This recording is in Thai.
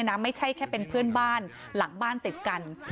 ไม่ใช่แค่เป็นเพื่อนบ้านหลังบ้านติดกัน